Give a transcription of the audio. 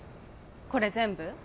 これ全部？